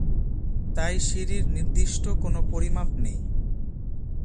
তাই সিঁড়ির নির্দিষ্ট কোন পরিমাপ নেই।